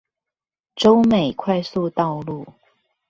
洲美快速道路